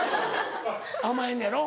甘えんのやろ？